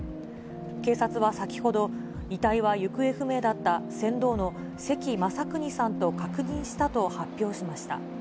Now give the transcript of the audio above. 警察は先ほど、遺体は行方不明だった船頭の関雅有さんと確認したと発表しました。